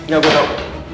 ya gue tau